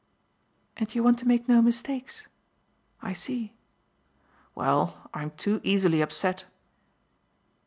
"And you want to make no mistakes I see." "Well, I'm too easily upset."